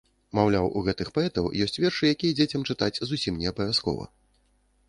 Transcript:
Маўляў, у гэтых паэтаў ёсць вершы, якія дзецям чытаць зусім не абавязкова.